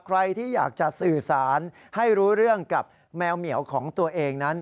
ใครที่อยากจะสื่อสารให้รู้เรื่องกับแมวเหมียวของตัวเองนั้น